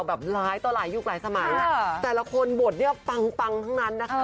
หลายต่อหลายยุคหลายสมัยแต่ละคนบทเนี่ยปังปังทั้งนั้นนะคะ